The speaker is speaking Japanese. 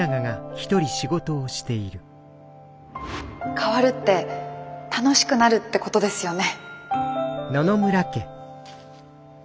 変わるって楽しくなるってことですよね。